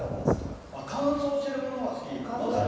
乾燥してるものが好きまさに。